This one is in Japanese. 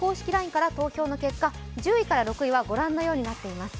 ＬＩＮＥから投票の結果１０位から６位はこのようになっています。